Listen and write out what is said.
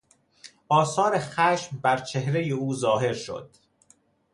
آثار خشم بر چهرهی او ظاهر شد.